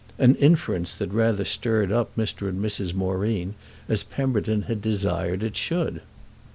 an inference that rather stirred up Mr. and Mrs. Moreen, as Pemberton had desired it should.